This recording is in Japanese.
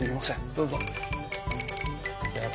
どうぞ。